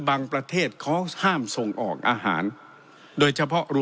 ประเทศเขาห้ามส่งออกอาหารโดยเฉพาะรั้